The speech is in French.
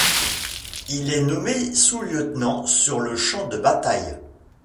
Il est nommé sous-lieutenant sur le champ de bataille.